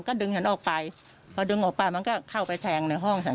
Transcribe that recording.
ก็ดึงฉันออกไปพอดึงออกไปมันก็เข้าไปแทงในห้องฉัน